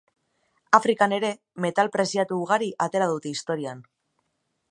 Afrikan ere metal preziatu ugari atera dute historian.